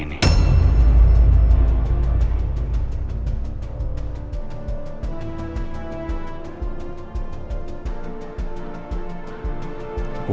untung saya berhasil dapatkan